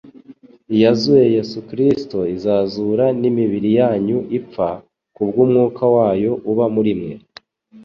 Iyazuye Yesu Kristo izazura n'imibiri yanyu ipfa, kubw'umwuka wayo uba muri mwe.